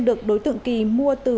được đối tượng kỳ mua từ